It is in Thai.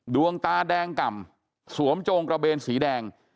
ดวงตาแดงก่ำสวมโจงกระเบนสีแดง